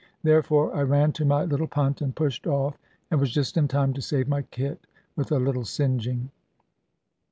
Therefore I ran to my little punt, and pushed off and was just in time to save my kit, with a little singeing.